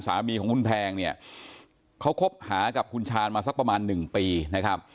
สามีของคุณแพงเนี่ยเขาคบหากับคุณชาญมาสักประมาณหนึ่งปีนะครับ